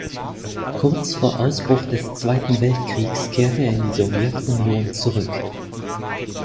Kurz vor Ausbruch des Zweiten Weltkriegs kehrte er in die Sowjetunion zurück.